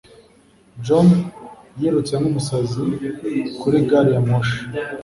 John yirutse nkumusazi kuri gari ya moshi